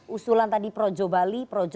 usulan tadi projo bali projo